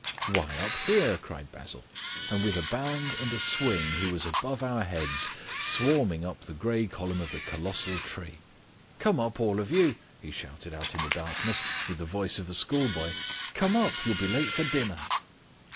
"Why, up here," cried Basil, and with a bound and a swing he was above our heads, swarming up the grey column of the colossal tree. "Come up, all of you," he shouted out of the darkness, with the voice of a schoolboy. "Come up. You'll be late for dinner."